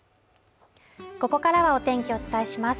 ここからはお天気をお伝えします